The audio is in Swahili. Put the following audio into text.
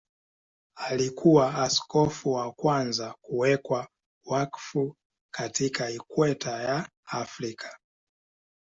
Alikuwa askofu wa kwanza kuwekwa wakfu katika Ikweta ya Afrika.